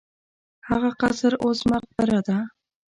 هغه قصر اوس مقبره ده.